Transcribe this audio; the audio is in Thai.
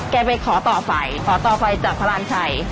แกไปขอต่อไฟขอต่อไฟจากพลาดชัย